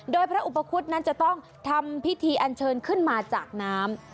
โดยพระอุปคุฎนั้นจะต้องทำพิธีอันเชิญขึ้นมาจากน้ำ